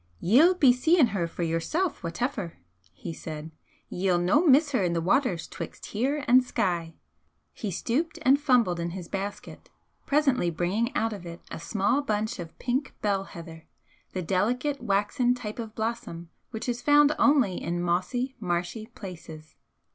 "Ye'll pe seein' her for yourself whateffer," he said "Ye'll no miss her in the waters 'twixt here an' Skye." He stooped and fumbled in his basket, presently bringing out of it a small bunch of pink bell heather, the delicate waxen type of blossom which is found only in mossy, marshy places.